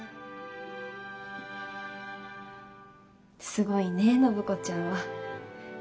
すごいね暢子ちゃんは。